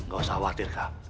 gak usah khawatir kak